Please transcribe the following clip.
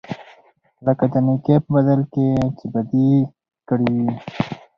لکه د نېکۍ په بدل کې چې بدي کړې وي.